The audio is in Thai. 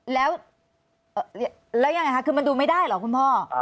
แล้วยังไงคะคือมันดูไม่ได้เหรอคุณพ่อ